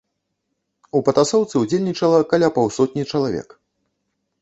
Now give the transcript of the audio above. У патасоўцы ўдзельнічала каля паўсотні чалавек.